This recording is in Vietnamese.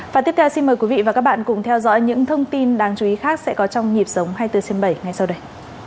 và tiếp theo xin mời quý vị và các bạn cùng theo dõi những thông tin đáng chú ý khác sẽ có trong nhịp sống hai mươi bốn trên bảy ngay sau đây